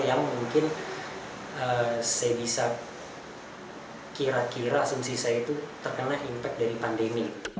yang mungkin saya bisa kira kira asumsi saya itu terkena impact dari pandemi